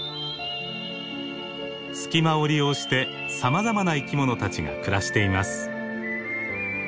隙間を利用してさまざまな生き物たちが暮らしています。